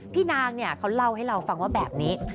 พี่นางเขาเล่าให้เราฟังว่าแบบนี้